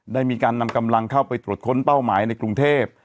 ได้มีการนำกำลังเข้าไปตรวจค้นเป้าหมายในกรุงเทพ